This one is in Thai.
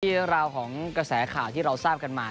เรื่องราวของกระแสข่าวที่เราทราบกันมา